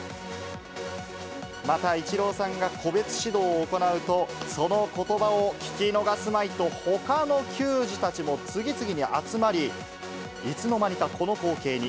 また、イチローさんが個別指導を行うと、そのことばを聞き逃すまいと、ほかの球児たちも次々に集まり、いつの間にか、この光景に。